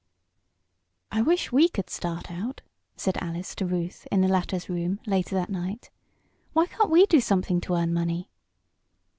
"I wish we could start out," said Alice to Ruth in the latter's room, later that night. "Why can't we do something to earn money?"